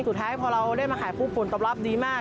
สุดท้ายพอเราได้มาขายปุ๊บผลตอบรับดีมาก